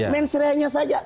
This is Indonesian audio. men serahnya saja